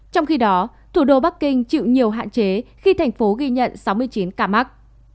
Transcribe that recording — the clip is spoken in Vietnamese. trong khi đó thủ đô bắc kinh chịu nhiều hạn chế khi thành phố ghi nhận sáu mươi chín ca mắc